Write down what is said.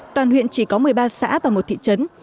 toàn huyện chỉ có một mươi ba xã và một thị trấn